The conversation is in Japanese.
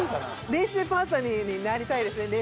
練習パートナーになりたいですね。